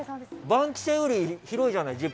「バンキシャ！」より広いじゃない。